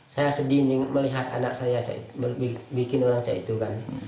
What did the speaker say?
saya sedih melihat anak saya bikin orangca itu kan